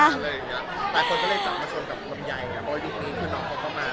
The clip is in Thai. หลายคนก็ได้จับมาชนกับคนใหญ่อย่างเงี้ยบ่อยดีคือน้องเขาเข้ามา